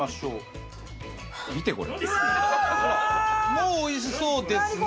もうおいしそうですね。